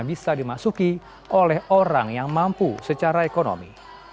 bisa dimasuki oleh orang yang mampu secara ekonomi